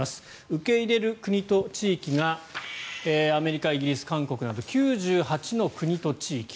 受け入れる国と地域がアメリカ、イギリス、韓国など９８の国と地域。